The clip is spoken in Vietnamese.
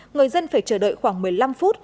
người dân phải chờ đợi khoảng một mươi năm phút